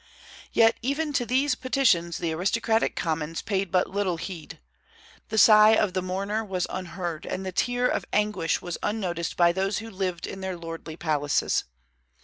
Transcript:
Yet even to these petitions the aristocratic Commons paid but little heed. The sigh of the mourner was unheard, and the tear of anguish was unnoticed by those who lived in their lordly palaces.